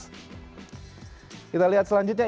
kita lihat selanjutnya